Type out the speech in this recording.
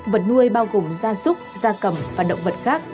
vật nuôi bao gồm da súc da cầm và động vật khác